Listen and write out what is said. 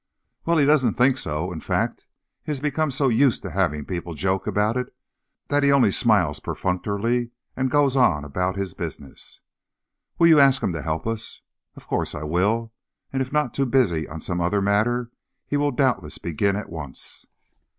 "Well, he doesn't think so. In fact, he has become so used to having people joke about it that he only smiles perfunctorily and goes on about his business." "Will you ask him to help us?" "Of course I will, and if not too busy on some other matter he will doubtless begin at once."